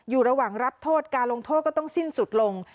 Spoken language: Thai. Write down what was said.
อยู่ระหว่างรับโทษการลงโทษก็ต้องสิ้นสุดลง